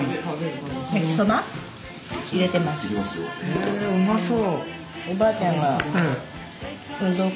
へえうまそう。